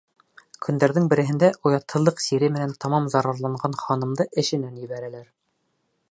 Көндәрҙең береһендә оятһыҙлыҡ сире менән тамам зарарланған ханымды эшенән ебәрәләр.